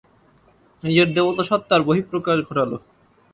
নিজের দেবতা সত্ত্বার বহিঃপ্রকাশ ঘটালো।